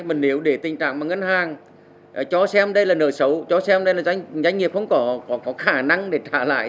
mà nếu để tình trạng mà ngân hàng cho xem đây là nợ xấu cho xem đây là doanh nghiệp không có khả năng để trả lại